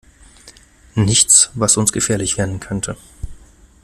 Nichts, was uns gefährlich werden könnte.